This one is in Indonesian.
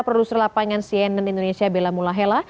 produser lapangan cnn indonesia bella mulahela